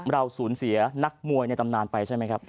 เราสูญเสียนักมวยในตำนานไปใช่ไหมครับ